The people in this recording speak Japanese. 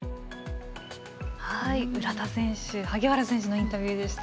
浦田選手萩原選手のインタビューでした。